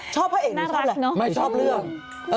ชอบพระเอกหรือชอบอะไรไม่ชอบเรื่องน่ารักเนอะ